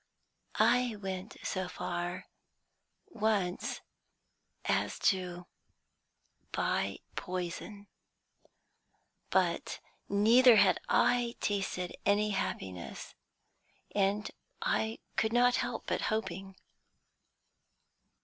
"I went so far once as to buy poison. But neither had I tasted any happiness, and I could not help hoping."